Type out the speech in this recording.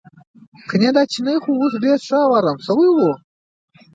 ګنې دا چینی خو اوس ډېر ښه او ارام شوی و.